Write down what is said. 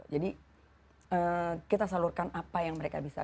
jadi kita salurkan apa yang mereka bisa